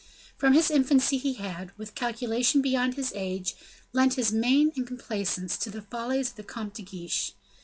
From his infancy he had, with calculation beyond his age, lent his mane and complaisance to the follies of the Comte de Guiche.